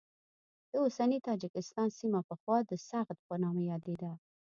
د اوسني تاجکستان سیمه پخوا د سغد په نامه یادېده.